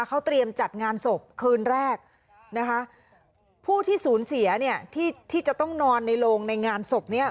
เขาเตรียมจัดงานศพคืนแรกนะคะผู้ที่สูญเสียเนี่ยที่ที่จะต้องนอนในโรงในงานศพเนี่ย